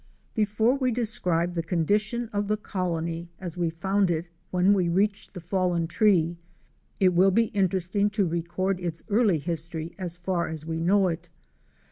Before we describe the condition of the colony as we found it when we reached the fallen tree, it will be interesting to record its early history as far as we know it.